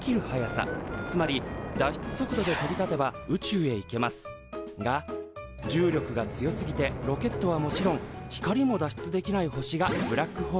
つまり脱出速度で飛び立てば宇宙へ行けますが重力が強すぎてロケットはもちろん光も脱出できない星がブラックホールです。